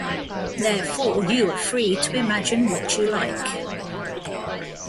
Therefore you are free to imagine what you like.